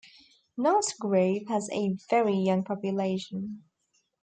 Nutgrove has a very young population.